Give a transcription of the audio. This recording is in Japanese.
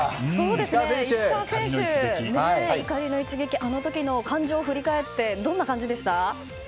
石川選手、怒りの一撃あの時の感情を振り返ってどんな感じでした？